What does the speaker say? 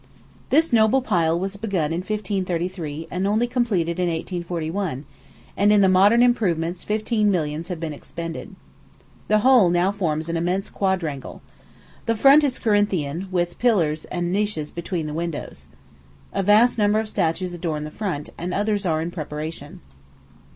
This noble pile was begun in 1533, and only completed in 1841, and in the modern improvements fifteen millions have been expended. The whole now forms an immense quadrangle. The front is Corinthian, with pillars and niches between the windows. A vast number of statues adorn the front, and others are in preparation.